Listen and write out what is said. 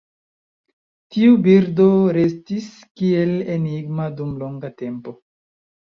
Tiu birdo restis kiel enigma dum longa tempo.